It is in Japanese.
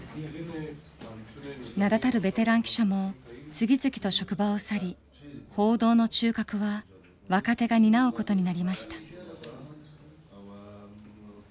名だたるベテラン記者も次々と職場を去り報道の中核は若手が担うことになりました。